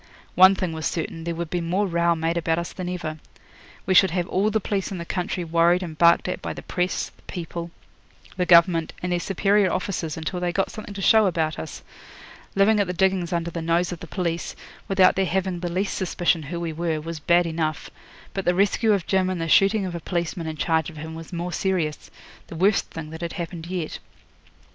One thing was certain: there would be more row made about us than ever. We should have all the police in the country worried and barked at by the press, the people, the Government, and their superior officers till they got something to show about us. Living at the diggings under the nose of the police, without their having the least suspicion who we were, was bad enough; but the rescue of Jim and the shooting of a policeman in charge of him was more serious the worst thing that had happened yet.